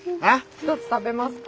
１つ食べますか？